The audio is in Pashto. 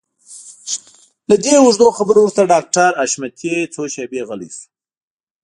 له دې اوږدو خبرو وروسته ډاکټر حشمتي څو شېبې غلی شو.